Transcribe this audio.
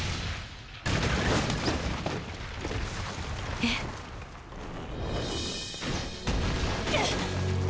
えっ？ぐっ！